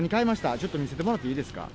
ちょっと見せてもらっていいですか？